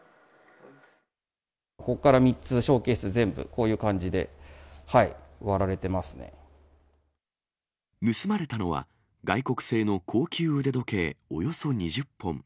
ここから３つ、ショーケース全部、盗まれたのは、外国製の高級腕時計およそ２０本。